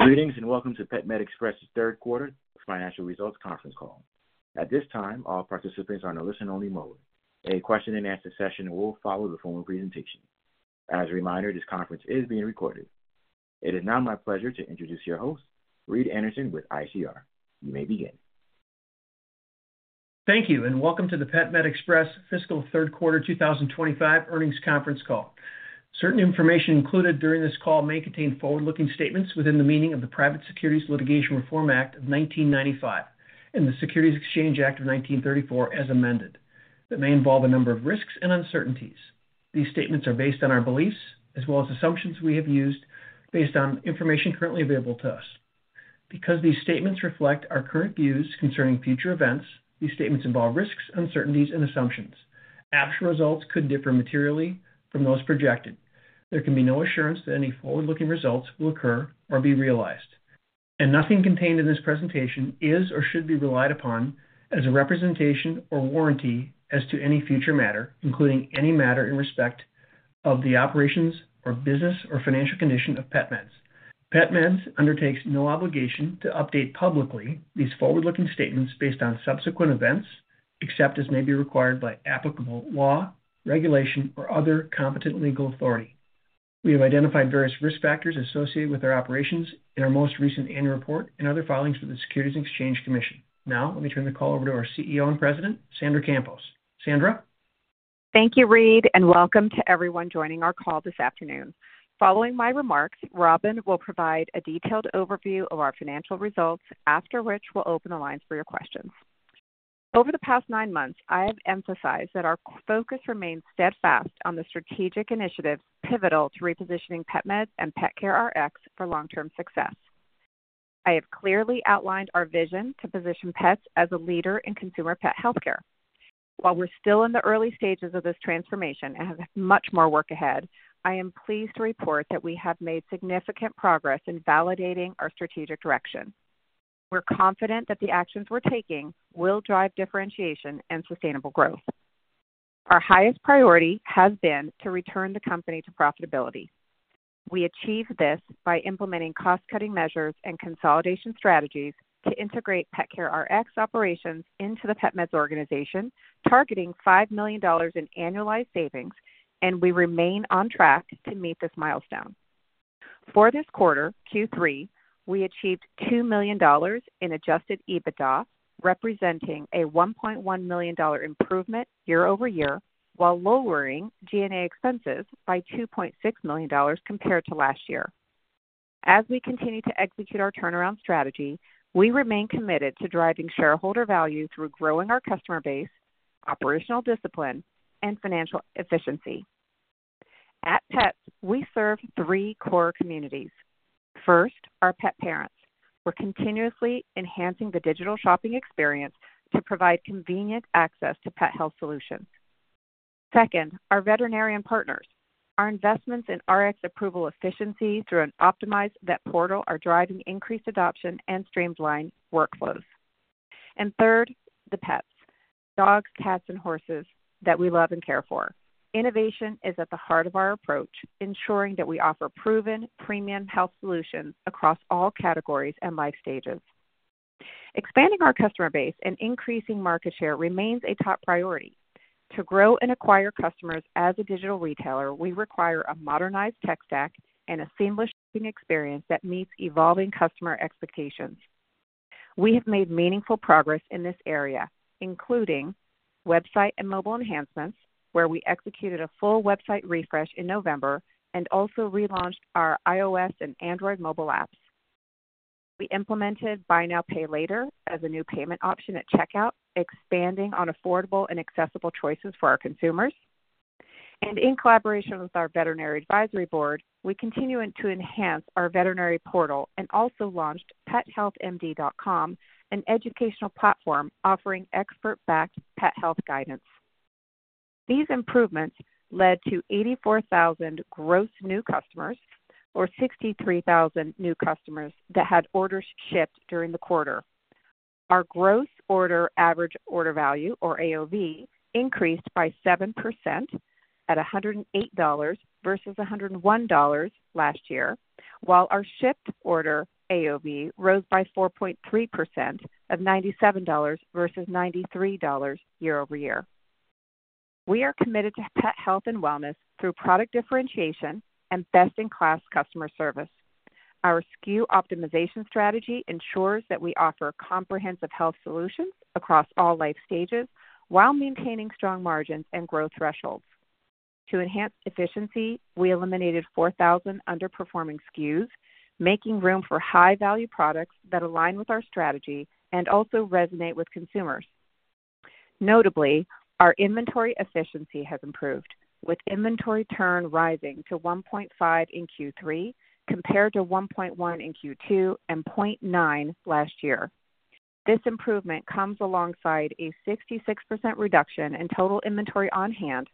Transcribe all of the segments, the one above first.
Greetings and welcome to PetMed Express's third quarter financial results conference call. At this time, all participants are in a listen-only mode. A question-and-answer session will follow the full presentation. As a reminder, this conference is being recorded. It is now my pleasure to introduce your host, Reed Anderson with ICR. You may begin. Thank you, and welcome to the PetMed Express Fiscal Third Quarter 2025 Earnings Conference Call. Certain information included during this call may contain forward-looking statements within the meaning of the Private Securities Litigation Reform Act of 1995 and the Securities Exchange Act of 1934 as amended. That may involve a number of risks and uncertainties. These statements are based on our beliefs as well as assumptions we have used based on information currently available to us. Because these statements reflect our current views concerning future events, these statements involve risks, uncertainties, and assumptions. Actual results could differ materially from those projected. There can be no assurance that any forward-looking results will occur or be realized. Nothing contained in this presentation is or should be relied upon as a representation or warranty as to any future matter, including any matter in respect of the operations or business or financial condition of PetMeds. PetMeds undertakes no obligation to update publicly these forward-looking statements based on subsequent events, except as may be required by applicable law, regulation, or other competent legal authority. We have identified various risk factors associated with our operations in our most recent annual report and other filings for the Securities and Exchange Commission. Now, let me turn the call over to our CEO and President, Sandra Campos. Sandra? Thank you, Reed, and welcome to everyone joining our call this afternoon. Following my remarks, Robyn will provide a detailed overview of our financial results, after which we'll open the lines for your questions. Over the past nine months, I have emphasized that our focus remains steadfast on the strategic initiatives pivotal to repositioning PetMeds and PetCareRx for long-term success. I have clearly outlined our vision to position PetMeds as a leader in consumer pet healthcare. While we're still in the early stages of this transformation and have much more work ahead, I am pleased to report that we have made significant progress in validating our strategic direction. We're confident that the actions we're taking will drive differentiation and sustainable growth. Our highest priority has been to return the company to profitability. We achieve this by implementing cost-cutting measures and consolidation strategies to integrate PetCareRx operations into the PetMeds organization, targeting $5 million in annualized savings, and we remain on track to meet this milestone. For this quarter, Q3, we achieved $2 million in adjusted EBITDA, representing a $1.1 million improvement year over year, while lowering G&A expenses by $2.6 million compared to last year. As we continue to execute our turnaround strategy, we remain committed to driving shareholder value through growing our customer base, operational discipline, and financial efficiency. At PetMeds, we serve three core communities. First, our pet parents. We're continuously enhancing the digital shopping experience to provide convenient access to pet health solutions. Second, our veterinarian partners. Our investments in Rx approval efficiency through an optimized Veterinary Portal are driving increased adoption and streamlined workflows. The pets, the dogs, cats, and horses that we love and care for. Innovation is at the heart of our approach, ensuring that we offer proven, premium health solutions across all categories and life stages. Expanding our customer base and increasing market share remains a top priority. To grow and acquire customers as a digital retailer, we require a modernized tech stack and a seamless shopping experience that meets evolving customer expectations. We have made meaningful progress in this area, including website and mobile enhancements, where we executed a full website refresh in November and also relaunched our iOS and Android mobile apps. We implemented Buy Now Pay Later as a new payment option at checkout, expanding on affordable and accessible choices for our consumers. In collaboration with our Veterinary Advisory Board, we continue to enhance our Veterinary Portal and also launched pethealthmd.com, an educational platform offering expert-backed pet health guidance. These improvements led to 84,000 gross new customers or 63,000 new customers that had orders shipped during the quarter. Our gross order average order value, or AOV, increased by 7% at $108 versus $101 last year, while our shipped order AOV rose by 4.3% at $97 versus $93 year over year. We are committed to pet health and wellness through product differentiation and best-in-class customer service. Our SKU optimization strategy ensures that we offer comprehensive health solutions across all life stages while maintaining strong margins and growth thresholds. To enhance efficiency, we eliminated 4,000 underperforming SKUs, making room for high-value products that align with our strategy and also resonate with consumers. Notably, our inventory efficiency has improved, with inventory turn rising to 1.5 in Q3 compared to 1.1 in Q2 and 0.9 last year. This improvement comes alongside a 66% reduction in total inventory on hand,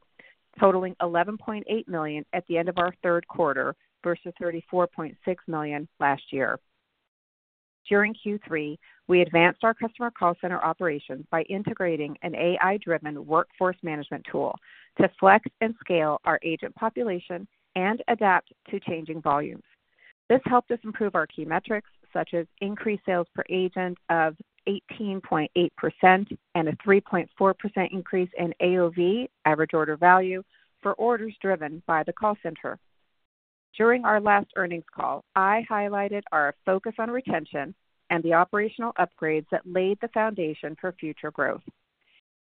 totaling $11.8 million at the end of our third quarter versus $34.6 million last year. During Q3, we advanced our customer call center operations by integrating an AI-driven workforce management tool to flex and scale our agent population and adapt to changing volumes. This helped us improve our key metrics, such as increased sales per agent of 18.8% and a 3.4% increase in AOV, average order value, for orders driven by the call center. During our last earnings call, I highlighted our focus on retention and the operational upgrades that laid the foundation for future growth.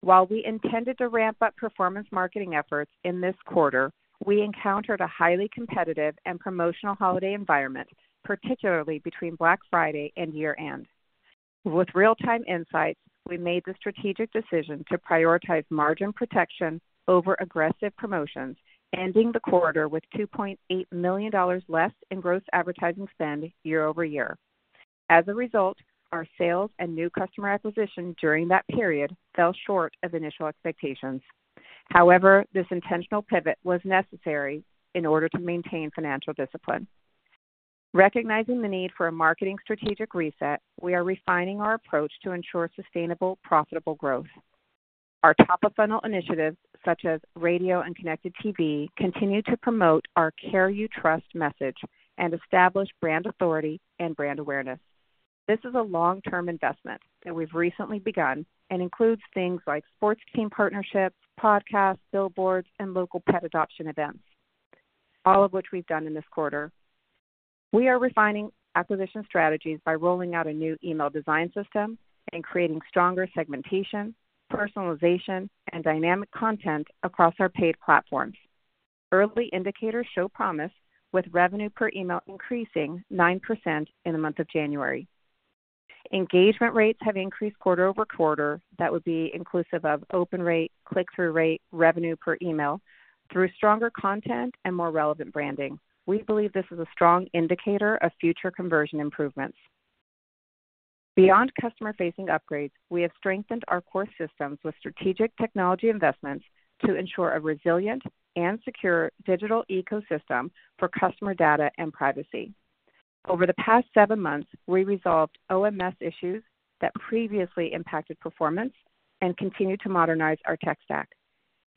While we intended to ramp up performance marketing efforts in this quarter, we encountered a highly competitive and promotional holiday environment, particularly between Black Friday and year-end. With real-time insights, we made the strategic decision to prioritize margin protection over aggressive promotions, ending the quarter with $2.8 million less in gross advertising spend year over year. As a result, our sales and new customer acquisition during that period fell short of initial expectations. However, this intentional pivot was necessary in order to maintain financial discipline. Recognizing the need for a marketing strategic reset, we are refining our approach to ensure sustainable, profitable growth. Our top-of-funnel initiatives, such as radio and connected TV, continue to promote our "Care You Trust" message and establish brand authority and brand awareness. This is a long-term investment that we've recently begun and includes things like sports team partnerships, podcasts, billboards, and local pet adoption events, all of which we've done in this quarter. We are refining acquisition strategies by rolling out a new email design system and creating stronger segmentation, personalization, and dynamic content across our paid platforms. Early indicators show promise, with revenue per email increasing 9% in the month of January. Engagement rates have increased quarter over quarter. That would be inclusive of open rate, click-through rate, revenue per email, through stronger content and more relevant branding. We believe this is a strong indicator of future conversion improvements. Beyond customer-facing upgrades, we have strengthened our core systems with strategic technology investments to ensure a resilient and secure digital ecosystem for customer data and privacy. Over the past seven months, we resolved OMS issues that previously impacted performance and continue to modernize our tech stack.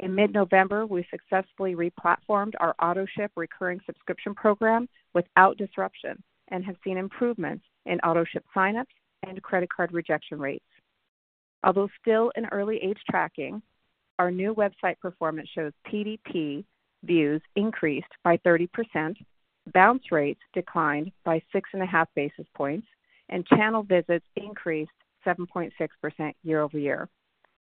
In mid-November, we successfully replatformed our AutoShip recurring subscription program without disruption and have seen improvements in AutoShip sign-ups and credit card rejection rates. Although still in early age tracking, our new website performance shows PDP views increased by 30%, bounce rates declined by 6.5 basis points, and channel visits increased 7.6% year over year.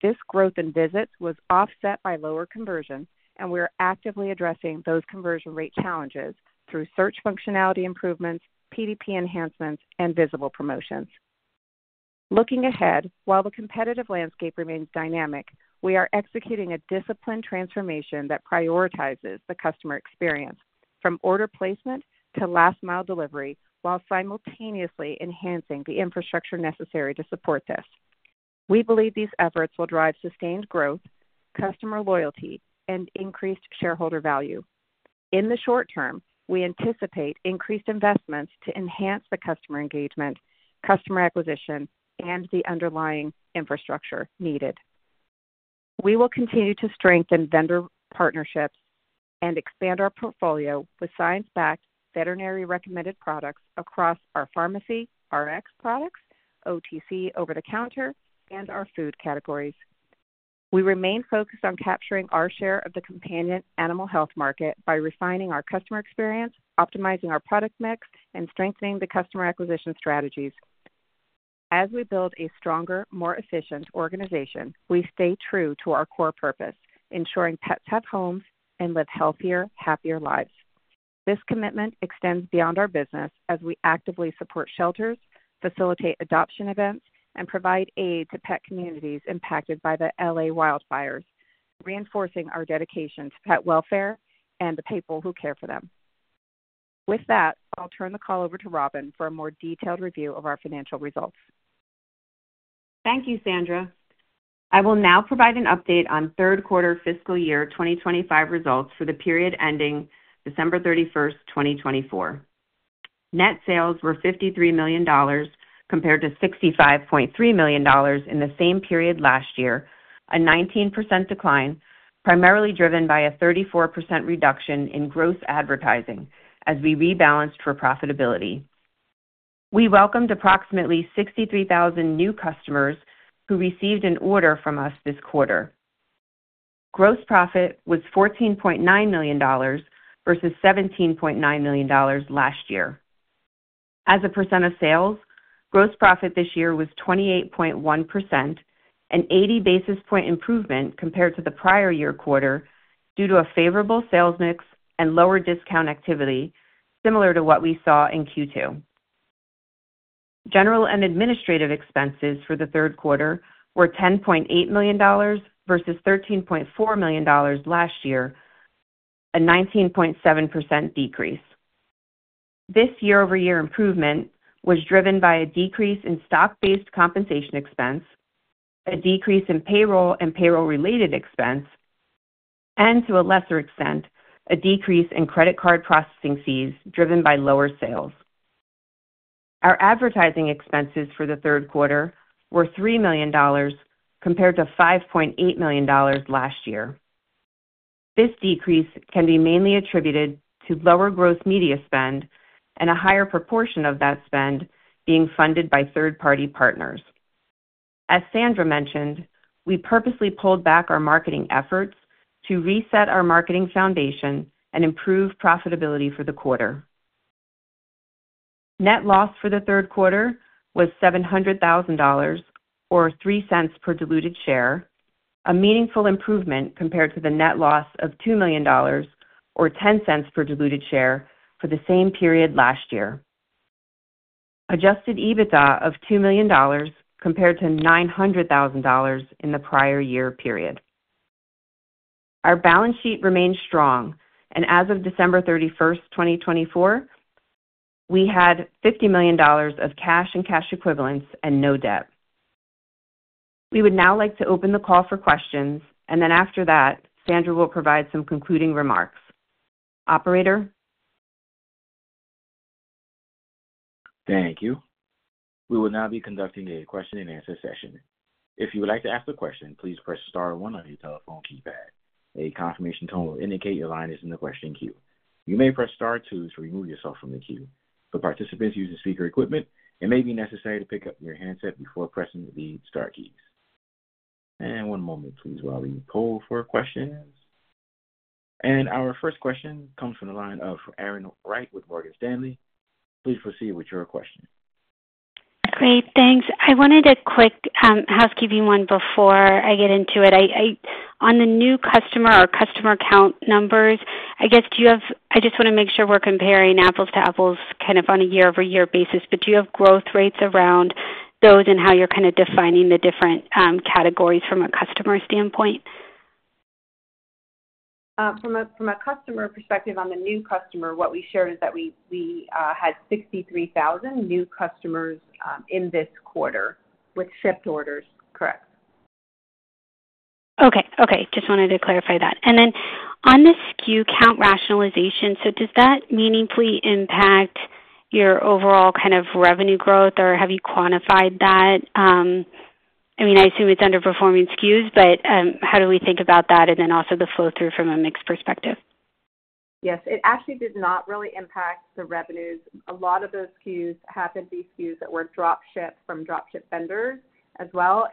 This growth in visits was offset by lower conversion, and we are actively addressing those conversion rate challenges through search functionality improvements, PDP enhancements, and visible promotions. Looking ahead, while the competitive landscape remains dynamic, we are executing a disciplined transformation that prioritizes the customer experience from order placement to last-mile delivery while simultaneously enhancing the infrastructure necessary to support this. We believe these efforts will drive sustained growth, customer loyalty, and increased shareholder value. In the short term, we anticipate increased investments to enhance the customer engagement, customer acquisition, and the underlying infrastructure needed. We will continue to strengthen vendor partnerships and expand our portfolio with science-backed veterinary-recommended products across our pharmacy, Rx products, OTC over-the-counter, and our food categories. We remain focused on capturing our share of the companion animal health market by refining our customer experience, optimizing our product mix, and strengthening the customer acquisition strategies. As we build a stronger, more efficient organization, we stay true to our core purpose, ensuring pets have homes and live healthier, happier lives. This commitment extends beyond our business as we actively support shelters, facilitate adoption events, and provide aid to pet communities impacted by the Los Angeles wildfires, reinforcing our dedication to pet welfare and the people who care for them. With that, I'll turn the call over to Robyn for a more detailed review of our financial results. Thank you, Sandra. I will now provide an update on third-quarter fiscal year 2025 results for the period ending December 31, 2024. Net sales were $53 million compared to $65.3 million in the same period last year, a 19% decline, primarily driven by a 34% reduction in gross advertising as we rebalanced for profitability. We welcomed approximately 63,000 new customers who received an order from us this quarter. Gross profit was $14.9 million versus $17.9 million last year. As a percent of sales, gross profit this year was 28.1%, an 80 basis point improvement compared to the prior year quarter due to a favorable sales mix and lower discount activity, similar to what we saw in Q2. General and administrative expenses for the third quarter were $10.8 million versus $13.4 million last year, a 19.7% decrease. This year-over-year improvement was driven by a decrease in stock-based compensation expense, a decrease in payroll and payroll-related expense, and to a lesser extent, a decrease in credit card processing fees driven by lower sales. Our advertising expenses for the third quarter were $3 million compared to $5.8 million last year. This decrease can be mainly attributed to lower gross media spend and a higher proportion of that spend being funded by third-party partners. As Sandra mentioned, we purposely pulled back our marketing efforts to reset our marketing foundation and improve profitability for the quarter. Net loss for the third quarter was $700,000 or 3 cents per diluted share, a meaningful improvement compared to the net loss of $2 million or 10 cents per diluted share for the same period last year. Adjusted EBITDA of $2 million compared to $900,000 in the prior year period. Our balance sheet remained strong, and as of December 31, 2024, we had $50 million of cash and cash equivalents and no debt. We would now like to open the call for questions, and then after that, Sandra will provide some concluding remarks. Operator. Thank you. We will now be conducting a question-and-answer session. If you would like to ask a question, please press star one on your telephone keypad. A confirmation tone will indicate your line is in the question queue. You may press star two to remove yourself from the queue. For participants using speaker equipment, it may be necessary to pick up your handset before pressing the star keys. One moment, please, while we poll for questions. Our first question comes from the line of Erin Wright with Morgan Stanley. Please proceed with your question. Great. Thanks. I wanted a quick housekeeping one before I get into it. On the new customer or customer count numbers, I guess, do you have—I just want to make sure we're comparing apples to apples kind of on a year-over-year basis. But do you have growth rates around those and how you're kind of defining the different categories from a customer standpoint? From a customer perspective, on the new customer, what we shared is that we had 63,000 new customers in this quarter with shipped orders. Correct. Okay. Okay. Just wanted to clarify that. And then on the SKU count rationalization, so does that meaningfully impact your overall kind of revenue growth, or have you quantified that? I mean, I assume it's underperforming SKUs, but how do we think about that and then also the flow-through from a mixed perspective? Yes. It actually did not really impact the revenues. A lot of those SKUs happened to be SKUs that were drop-shipped from drop-ship vendors as well.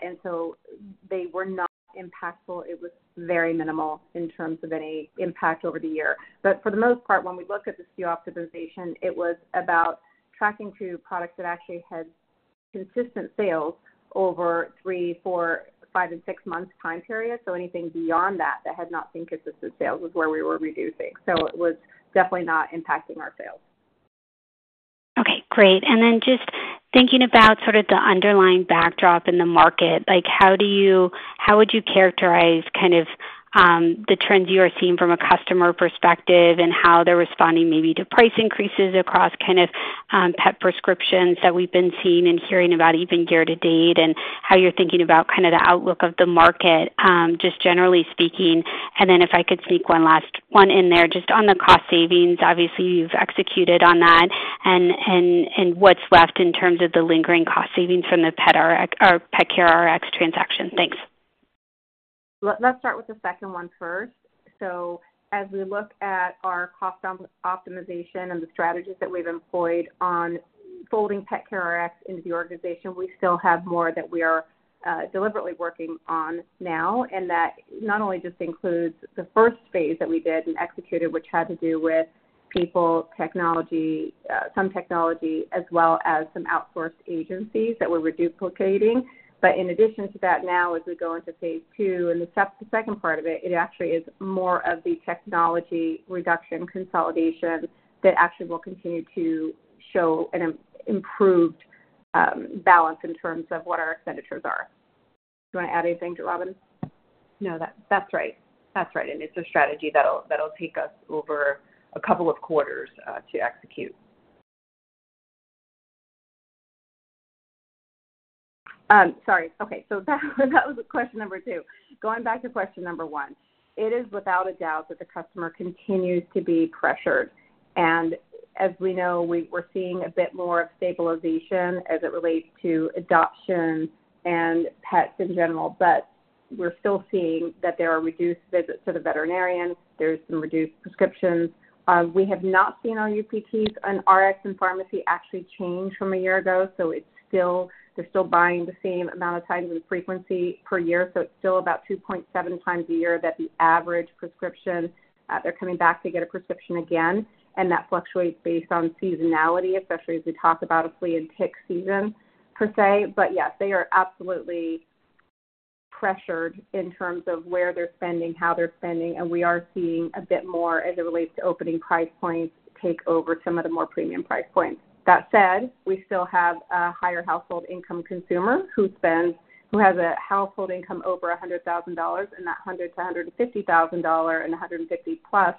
They were not impactful. It was very minimal in terms of any impact over the year. For the most part, when we looked at the SKU optimization, it was about tracking to products that actually had consistent sales over three, four, five, and six months' time period. Anything beyond that that had not seen consistent sales was where we were reducing. It was definitely not impacting our sales. Okay. Great. Just thinking about sort of the underlying backdrop in the market, how would you characterize kind of the trends you are seeing from a customer perspective and how they're responding maybe to price increases across kind of pet prescriptions that we've been seeing and hearing about even year to date and how you're thinking about kind of the outlook of the market, just generally speaking? If I could sneak one last one in there, just on the cost savings, obviously, you've executed on that. What's left in terms of the lingering cost savings from the PetCareRx transaction? Thanks. Let's start with the second one first. As we look at our cost optimization and the strategies that we've employed on folding PetCareRx into the organization, we still have more that we are deliberately working on now. That not only just includes the first phase that we did and executed, which had to do with people, technology, some technology, as well as some outsourced agencies that we were duplicating. In addition to that, now as we go into phase two and the second part of it, it actually is more of the technology reduction consolidation that actually will continue to show an improved balance in terms of what our expenditures are. Do you want to add anything to, Robyn? No, that's right. That's right. It's a strategy that'll take us over a couple of quarters to execute. Sorry. Okay. That was question number two. Going back to question number one, it is without a doubt that the customer continues to be pressured. As we know, we're seeing a bit more of stabilization as it relates to adoption and pets in general. We're still seeing that there are reduced visits to the veterinarian. There's some reduced prescriptions. We have not seen our UPTs and Rx and pharmacy actually change from a year ago. They're still buying the same amount of times and frequency per year. It's still about 2.7 times a year that the average prescription—they're coming back to get a prescription again. That fluctuates based on seasonality, especially as we talk about a flea and tick season per se. Yes, they are absolutely pressured in terms of where they're spending, how they're spending. We are seeing a bit more as it relates to opening price points take over some of the more premium price points. That said, we still have a higher household income consumer who has a household income over $100,000. And that $100,000-$150,000 and $150,000 plus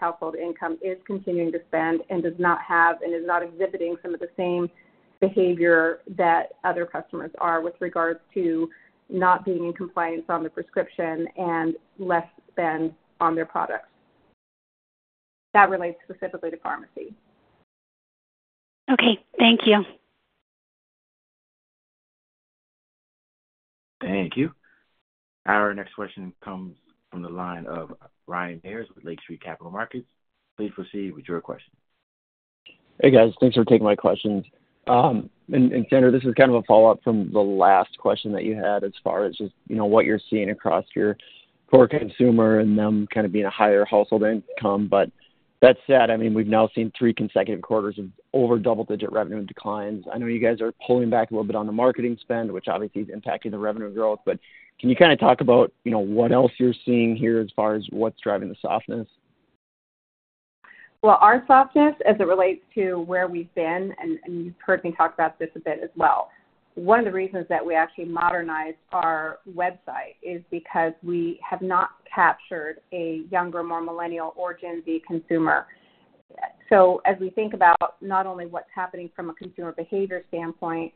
household income is continuing to spend and does not have and is not exhibiting some of the same behavior that other customers are with regards to not being in compliance on the prescription and less spend on their products. That relates specifically to pharmacy. Okay. Thank you. Thank you. Our next question comes from the line of Ryan Meyers with Lake Street Capital Markets. Please proceed with your question. Hey, guys. Thanks for taking my questions. Sandra, this is kind of a follow-up from the last question that you had as far as just what you're seeing across your core consumer and them kind of being a higher household income. I mean, we've now seen three consecutive quarters of over double-digit revenue declines. I know you guys are pulling back a little bit on the marketing spend, which obviously is impacting the revenue growth. Can you kind of talk about what else you're seeing here as far as what's driving the softness? Our softness as it relates to where we've been, and you've heard me talk about this a bit as well, one of the reasons that we actually modernized our website is because we have not captured a younger, more Millennial or Gen Z consumer. As we think about not only what's happening from a consumer behavior standpoint,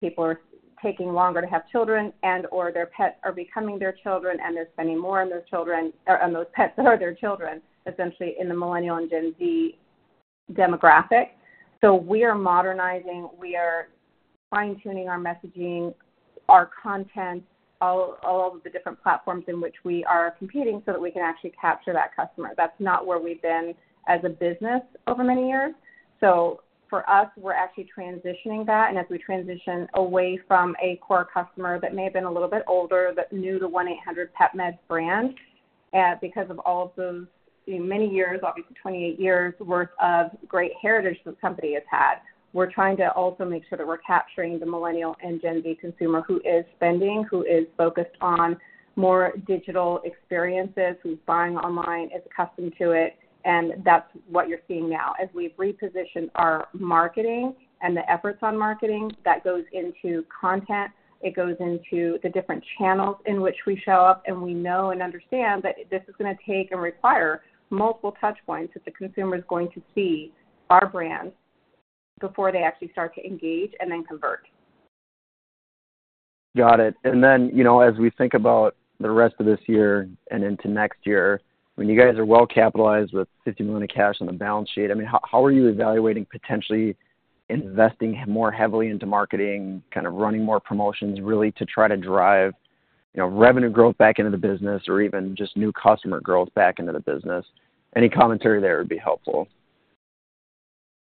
people are taking longer to have children and/or their pets are becoming their children, and they're spending more on those children or on those pets that are their children, essentially, in the Millennial and Gen Z demographic. We are modernizing. We are fine-tuning our messaging, our content, all of the different platforms in which we are competing so that we can actually capture that customer. That's not where we've been as a business over many years. For us, we're actually transitioning that. As we transition away from a core customer that may have been a little bit older, that new to 1-800-PetMeds brand, because of all of those many years, obviously, 28 years' worth of great heritage the company has had, we're trying to also make sure that we're capturing the Millennial and Gen Z consumer who is spending, who is focused on more digital experiences, who's buying online, is accustomed to it. That is what you're seeing now. As we've repositioned our marketing and the efforts on marketing that goes into content, it goes into the different channels in which we show up. We know and understand that this is going to take and require multiple touchpoints if the consumer is going to see our brand before they actually start to engage and then convert. Got it. As we think about the rest of this year and into next year, when you guys are well capitalized with $50 million in cash on the balance sheet, I mean, how are you evaluating potentially investing more heavily into marketing, kind of running more promotions really to try to drive revenue growth back into the business or even just new customer growth back into the business? Any commentary there would be helpful.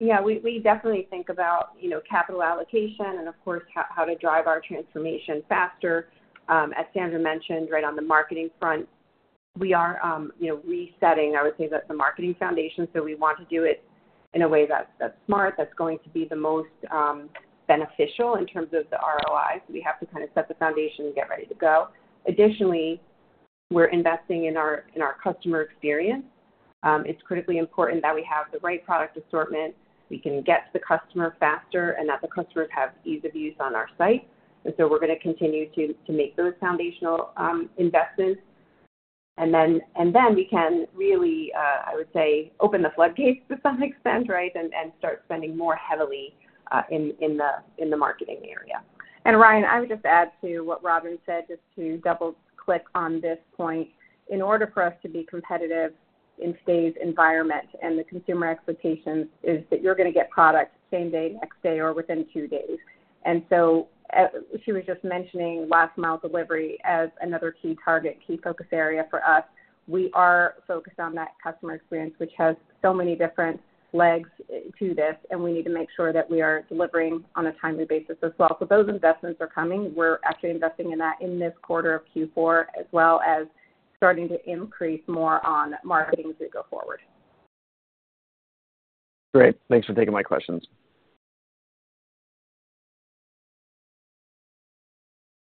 Yeah. We definitely think about capital allocation and, of course, how to drive our transformation faster. As Sandra mentioned, right on the marketing front, we are resetting, I would say, the marketing foundation. We want to do it in a way that's smart, that's going to be the most beneficial in terms of the ROI. We have to kind of set the foundation and get ready to go. Additionally, we're investing in our customer experience. It's critically important that we have the right product assortment, we can get to the customer faster, and that the customers have ease of use on our site. We are going to continue to make those foundational investments. We can really, I would say, open the floodgates to some extent, right, and start spending more heavily in the marketing area. Ryan, I would just add to what Robyn said just to double-click on this point. In order for us to be competitive in today's environment and the consumer expectations is that you're going to get product same day, next day, or within two days. She was just mentioning last-mile delivery as another key target, key focus area for us. We are focused on that customer experience, which has so many different legs to this, and we need to make sure that we are delivering on a timely basis as well. Those investments are coming. We're actually investing in that in this quarter of Q4 as well as starting to increase more on marketing as we go forward. Great. Thanks for taking my questions.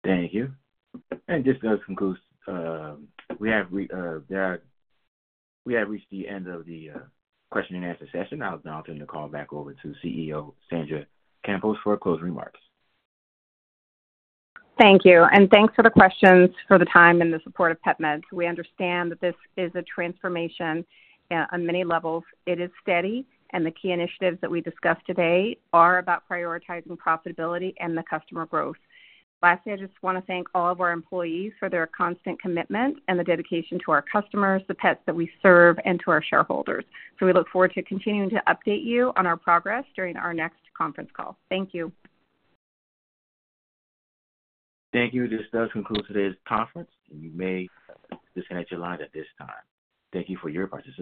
Thank you. Just to conclude, we have reached the end of the question-and-answer session. I'll now turn the call back over to CEO Sandra Campos for closing remarks. Thank you. Thank you for the questions, for the time, and the support of PetMeds. We understand that this is a transformation on many levels. It is steady, and the key initiatives that we discussed today are about prioritizing profitability and the customer growth. Lastly, I just want to thank all of our employees for their constant commitment and the dedication to our customers, the pets that we serve, and to our shareholders. We look forward to continuing to update you on our progress during our next conference call. Thank you. Thank you. This does conclude today's conference. You may disconnect your line at this time. Thank you for your participation.